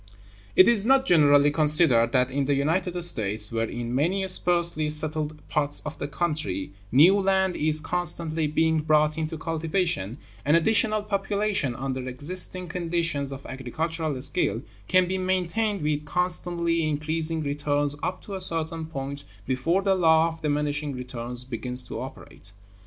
It is not generally considered that in the United States, where in many sparsely settled parts of the country new land is constantly being brought into cultivation, an additional population under existing conditions of agricultural skill can be maintained with constantly increasing returns up to a certain point before the law of diminishing returns begins to operate.